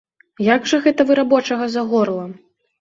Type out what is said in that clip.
Як жа гэта вы рабочага за горла?